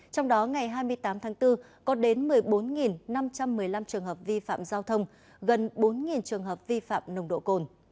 trong đó ngày hai mươi tám tháng bốn có đến một mươi bốn năm trăm một mươi năm trường hợp vi phạm giao thông gần bốn trường hợp vi phạm nồng độ cồn